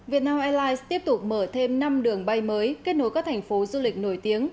việt nam airlines tiếp tục mở thêm năm đường bay mới kết nối các thành phố du lịch nổi tiếng